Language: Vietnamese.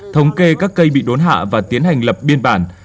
thống kê các cây bị đốn hạ và tiến hành lập biên bản